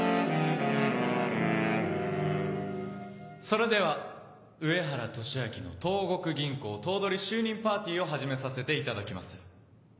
それでは上原利明の東国銀行頭取就任パーティーを始めさせていただきます。